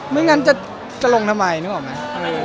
ไม่งั้นจะลงทำไม